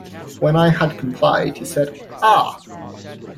When I had complied, he said, "Ah!"